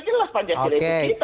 jelas pancasila itu kita